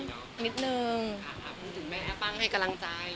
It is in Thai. คุณถึงแม่แอฟปั้งให้กำลังใจ